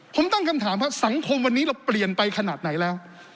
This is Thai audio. ผมตั้งคำถามครับสังคมวันนี้เราเปลี่ยนไปขนาดไหนแล้ว